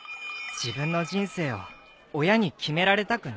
自分の人生を親に決められたくないんだ。